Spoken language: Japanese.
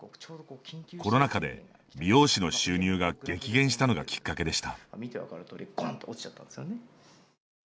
コロナ禍で美容師の収入が激減したのがきっかけでした。